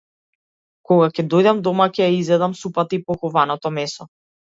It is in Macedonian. Кога ќе дојдам дома, ќе ја изедам супата и похувано- то месо.